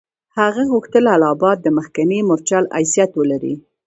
هغه غوښتل اله آباد د مخکني مورچل حیثیت ولري.